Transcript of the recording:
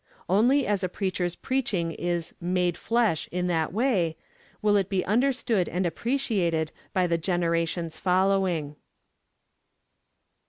Only as a preacher's preaching is 'made flesh' in that way, will it be understood and appreciated by the generations following.